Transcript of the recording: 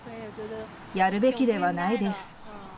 やるべきではないです。